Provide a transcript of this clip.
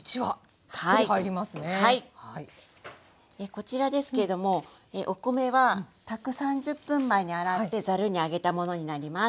こちらですけれどもお米は炊く３０分前に洗ってざるに上げたものになります。